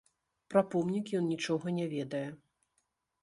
Пра помнік ён нічога не ведае.